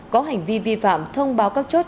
có hành vi vi phạm thông báo các chốt